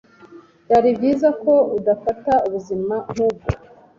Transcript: Byari byiza ko udafata ubuzima nkubwo.